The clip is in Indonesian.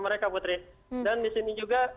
mereka putri dan disini juga